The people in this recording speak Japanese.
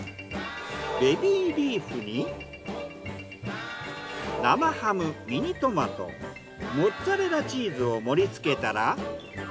ベビーリーフに生ハムミニトマトモッツァレラチーズを盛りつけたら。